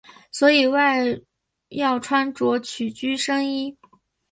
所以外要穿着曲裾深衣。